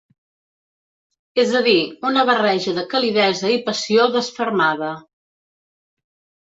És a dir, una barreja de calidesa i passió desfermada.